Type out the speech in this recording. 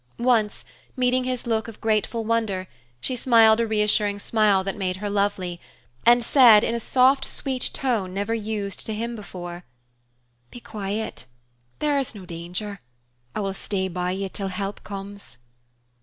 Once, meeting his look of grateful wonder, she smiled a reassuring smile that made her lovely, and said, in a soft, sweet tone never used to him before, "Be quiet. There is no danger. I will stay by you till help comes."